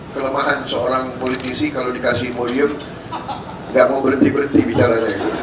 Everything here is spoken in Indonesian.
kelemahan seorang politisi kalau dikasih podium tidak mau berhenti berhenti bicara